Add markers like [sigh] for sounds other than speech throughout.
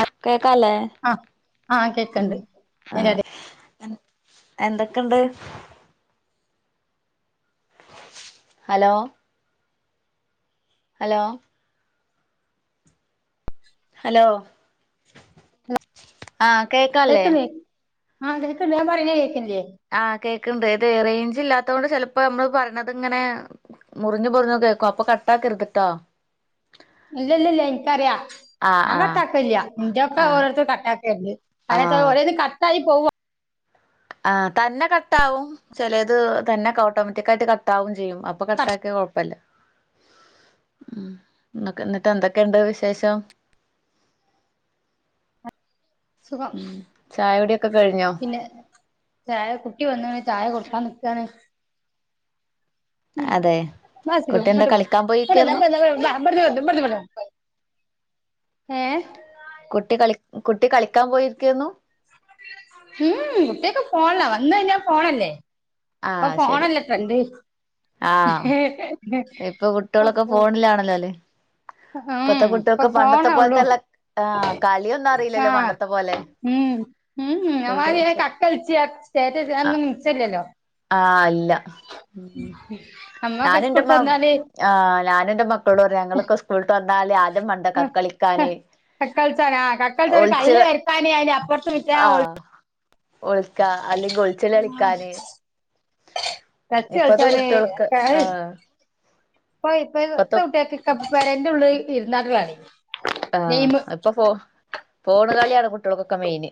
ആഹ് കേക്കാലേ ആഹ് ആഹ് കേക്കണ്ട് ആ [unintelligible] എന്തൊക്കെണ്ട് ഹലോ ഹലോ ഹലോ ആഹ് കേൾക്കാ കേക്കുന്ന് ആ കേക്കണ്ട് ഞാൻ പറയുന്ന കേക്കുന്ല്യെ ആഹ് കേക്കണുണ്ട് ഇതേ റേഞ്ചില്ലാത്തോണ്ട് ചിലപ്പോ മ്മള് പറയണത് ഇങ്ങനെ മുറിഞ്ഞ് മുറിഞ്ഞ് കേക്കും അപ്പൊ കട്ടാക്കരുത് ട്ടോ ഇല്ലില്ലില്ല എനിക്കറിയാ ആ ഞാൻ ആ കട്ടാക്കൂല്യ ഇന്റെയൊക്കെ ആ ഓരോര്ത്തര് കട്ടാക്കേണ്ട് ആ കാരണോച്ചാ ഓരോന്ന് കട്ടായി പോവ ആഹ് തന്നെ കട്ടാവും ചെലത് തന്നെക്കെ ഓട്ടോമാറ്റിക്കായിട്ട് കട് ട്ടാവും ചെയ്യും അപ്പൊ കട്ട്- കട്ടാക്കിയാ കൊഴപ്പല്ല ഉം എന്നക്ക് എന്നിട്ട് എന്തൊക്കെയുണ്ട് വിശേഷം സുഖം ഉം ചായ കുടിയൊക്കെ കഴിഞ്ഞോ [unintelligible] ചായ കുട്ടി വന്നണ് ചായ കൊടുക്കാൻ നിക്കാണ് അതെ ഉം കുട്ടി എന്താ കളിക്കാൻ പോയിക്കായിരുന്നു ഏഹ് കുട്ടി കളി കുട്ടി കളിക്കാൻ പോയിരിക്കുവാരുന്നു ഉം കുട്ടിയൊക്കെ ഫോണിലാ വന്ന് കഴിഞ്ഞാ ഫോണല്ലേ ഇപ്പൊ ആഹ് ശരി ഫോണല്ലേ ഫ്രണ്ട് ആഹ് ഇപ്പൊ ഇപ്പ കുട്ടികളൊക്കെ ഫോ ഫോണിലാണല്ലോ അല്ലേ ആഹ് ഇപ്പത്തെ ഇപ്പൊ കുട്ടികൾക്ക് പണ്ടത്തെ ഫോണോള്ളൂ പോലത്തെല്ല ആഹ് കളിയൊന്നും അറിയില്ലല്ലോ ആഹ് പണ്ടത്തെ പോലെ ഉം [unintelligible] ആ ഫുള്ള് ഫോ ഒന്നും ആഹ് നിച്ചല്ലല്ലോ ആഹ് അല്ല ഉം നമ്മൊക്കെ ഞാനു സ്കൂൾട്ട് ഇൻ്റെമ്മ വന്നാല് ആഹ് ഞാനു ഇൻ്റെ മക്കളോട് പറയും ഞങ്ങളൊക്കെ ഉസ് സ്കൂള് വിട്ട് വന്നാല് ആദ്യം മണ്ടാ കക്ക കളിക്കാന് കക്ക കളിച്ചാന് ആഹ് കക്ക കളിച്ചാൽ കല്ല് വെര്ത്താന് അതിൻ്റെ അപ്പറത്ത് ആഹ് ഒളിക്കാ അല്ലെങ്ക് ഒളിച്ച് കളി കളിക്കാന് ടച്ച് ഇപ്പഴ്ത്തെ കളിച്ചാന് കുട്ടികൾക്ക് ആഹ് ഇപ്പൊ ഇപ്പഴ്ത്തെ ഇപ്പത്തെ കുട്ടിയാക്കെക്കെ പെരേൻ്റെ ഉള്ളില് ഇര്ന്നാണ്ട് കളി ആഹ് ഗെയിം ഇപ്പൊ ഫോ ഫോണ് കളിയാണ് കുട്ടികൾക്കൊക്കെ മെയിന്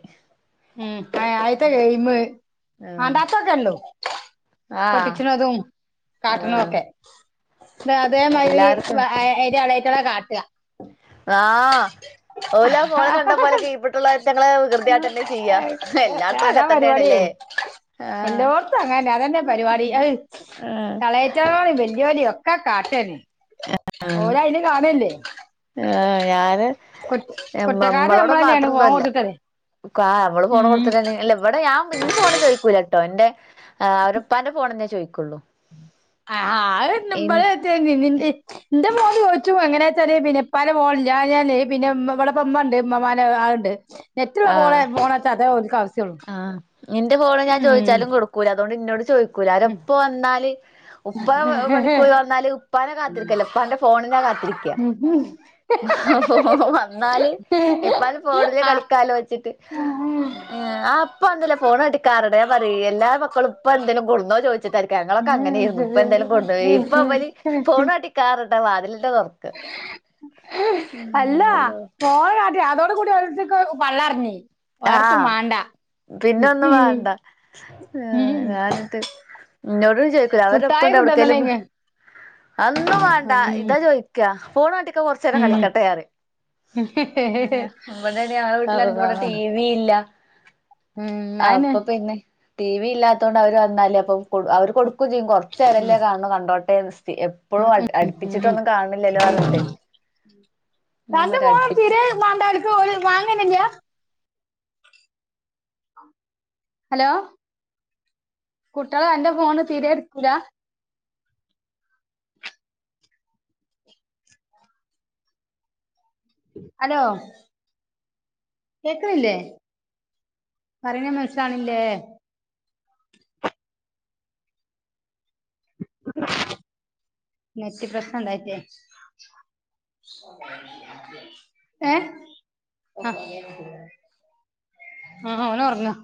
ഉം ആ ആയിത്തെ ഗയിമ് ആഹ് മാണ്ടാത്തെ ഒക്കെ ഉള്ളൂ ആഹ് പൊട്ടിച്ചിണതും കാട്ടണതും ആഹ് ഒക്കെ ഇട്ട് അതേമാതിരി എല്ലാർക്കും വ അ അങ്ങൻതന്നെ അയിൻ്റെ എളേറ്റ്കളെ കാട്ടാ ആഹ് ഓലാ ഫോണ് കണ്ട പോലെ കീപ്പട്ട്ള്ളയിറ്റ്ങ്ങളെ വികൃതി കാട്ടെന്നെ ചെയ് ചെയ്യാ എല്ലാടത്തും അങ്ങനെ തന്നെയാണല്ലേ എല്ലോടൊത്തും അങ്ങനെന്നെ അതന്നെ പരിപാടി അഹ് ആഹ് എളേറ്റെ ട്ട്യോളേം വെല്യോലെ ഒക്കെ കാട്ടെന്നെ ആഹ് ഓല് അയില് കാണല്ലേ ആഹ് ഞാന് കുറ്റ- ഞമ്മ് കുറ്റക്കാരൻ ഞമ്മളോട് നമ്മൾ തന്നെയാണ് മാത്രൊന്നും ഫോൺ അല്ല കൊടുത്തിട്ടത് കാ ഞമ്മള് [unintelligible] ഉം തന്നെയാണ് അല്ല ഇവിടെ ഞാൻ ഇന്റെ ഫോണ് ചോയിക്കൂലാട്ടോ ഇന്റെ ആഹ് അവരെ ഉപ്പാന്റെ ഫോണെന്നെ ചോദിക്കുള്ളൂ ഇൻ [unintelligible] ഇന്റെ ഫോണ് ചോയിച്ചു എങ്ങനാച്ചാല്‌ പിന്നെ ഇപ്പാൻ്റെ ഫോണില്ലാഞ്ഞാല് പിന്നെ ഉമ് ഇവിടെപ്പ ഉമ്മ ഇണ്ട് ഉമ്മാമ്മേൻ്റെ ആ എട് ത്ത് നെറ്റ്ള്ള ഫോണെ ആഹ് ഫോണാച്ചാ അതേ ഓലിക്ക് ആവശ്യള്ളു ഇന്റെ ഫോണ് ഞാൻ ചോദിച്ചാലും കൊടുക്കൂല അതുകൊണ്ട് ഇന്നോട് ചോയിക്കൂല ഉം. അവരപ്പ വന്നാല് ഉപ്പാ പ പണിക്ക് പോയി വന്നാല് ഉപ്പാനെ കാത്തിരിക്കല്ല ഉപ്പാന്റെ ഫോണിനാ കാത്തിരിക്കാ അപ്പോ വന്നാല് ഉം. ഇപ്പാൻ്റെ ഫോണില് കളിക്കാലോ വെച്ചിട്ട് ആ. ഏഹ് ആഹ് ഉപ്പ വന്ന്ല്ലേ ഫോൺ [unintelligible] പറയ് എല്ലാ മക്കളും ഇപ്പ എന്തേലും കൊടുന്നോ ചോദിച്ചിട്ടാ ക്കെ ഞങ്ങളൊക്കെ അങ്ങനെയിരുന്നു ഇപ്പൊ എന്തേലും കൊണ്ട് പോയി ഇപ്പ ഇവല് ഫോണ് കാട്ടിക്കാ പറഞ്ഞിട്ടാ വാതിലെന്നെ തൊറക്ക് അല്ലാ അള്ളോ ഫോണ് കാട്ടി അതോടു കൂടി ഓരോരുത്തർക്ക് പള്ളറിഞ്ഞ് ആഹ് പിന്നെ ഒന്നും വേണ്ട ആഹ് ഉം ഞാനെന്നിട്ട് ഇന്നോടും ചോദിക്കും അവരപ്പ മുട്ടായി ഇണ്ട് എവിടെക്കേലും കൊണ്ടുവന്നണേങ്ങ് അതൊന്നും വേണ്ട ഉം ഇതാ ചോദിക്കാ ഫോണാട്ട് കൊറച്ചേരം ഉം കളിക്കട്ടെ പറയും അതയാ ഇവിടെ [unintelligible] ഞങ്ങളെ അള്ളാ വീട്ടില് [unintelligible] ടീ വി ഇല്ല ഉം ഞാന് അപ്പൊ പിന്നെ ടി വി ഇല്ലാത്ത കൊണ്ട് അവര് വന്നാലേ അപ്പൊ കൊട് അവര് കൊടുക്കും ചെയ്യും കൊറച്ചേരല്ലേ കാണു കണ്ടോട്ടെ സ്ഥി എപ് എപ്പോഴും അട് അടുപ്പിച്ചിട്ടൊന്നും കാണ്ന്നില്ലല്ലോ പറഞ്ഞിട്ട് ഞാൻ പറയും അടു മാണ്ടാ ഓലിക്ക് ഓല് വങ്ങന്നെയില്ല ഹലോ കുട്ടിയള് അന്റെ ഫോണ് തീരെ എടുക്കൂല? ഹലോ കേക്കണില്ലേ പറണ മനസ്സിലാണില്ലേ നെറ്റ് പ്രശ്‌നം ഇണ്ടായിട്ടെ ഏഹ് ആഹ് ആഹ് അവന് ഒറങ്ങാ